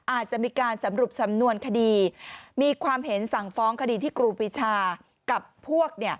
อาจจะมีการสรุปสำนวนคดีมีความเห็นสั่งฟ้องคดีที่ครูปีชากับพวก